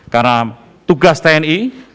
karena tugas tni